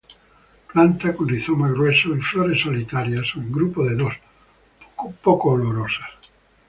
Planta con rizoma grueso y flores solitarias o en grupo de dos, poco olorosas.